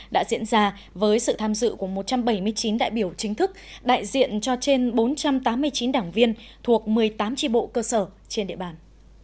đã diễn ra với sự tham dự của một trăm bảy mươi chín đại biểu chính thức đại diện cho trên bốn trăm tám mươi chín đảng viên thuộc một mươi tám tri bộ cơ sở trên địa bàn